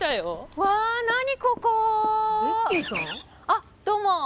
あどうも。